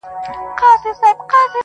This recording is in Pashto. د زړه په هر درب كي مي ته اوســېږې,